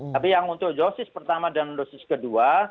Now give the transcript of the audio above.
tapi yang untuk dosis pertama dan dosis kedua